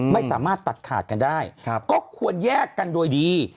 ไม่สามารถตัดขาดกันได้ก็ควรแยกกันโดยดี